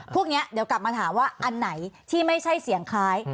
พวกนี้เดี๋ยวกลับมาถามว่าอันไหนที่ไม่ใช่เสียงคล้าย